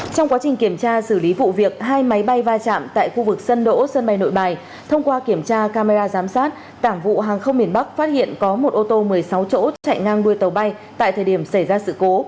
trong quá trình kiểm tra xử lý vụ việc hai máy bay va chạm tại khu vực sân đỗ sân bay nội bài thông qua kiểm tra camera giám sát cảng vụ hàng không miền bắc phát hiện có một ô tô một mươi sáu chỗ chạy ngang đuôi tàu bay tại thời điểm xảy ra sự cố